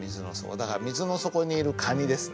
だから水の底にいる蟹ですね。